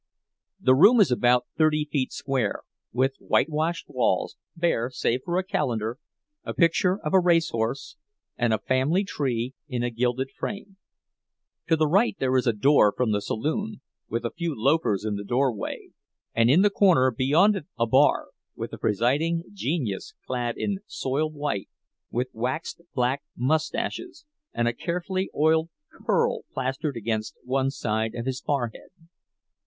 The room is about thirty feet square, with whitewashed walls, bare save for a calendar, a picture of a race horse, and a family tree in a gilded frame. To the right there is a door from the saloon, with a few loafers in the doorway, and in the corner beyond it a bar, with a presiding genius clad in soiled white, with waxed black mustaches and a carefully oiled curl plastered against one side of his forehead.